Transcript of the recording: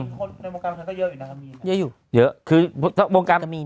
คนในวงการบรรเทิงก็เยอะอยู่นะครับมีน